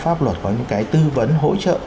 pháp luật có những cái tư vấn hỗ trợ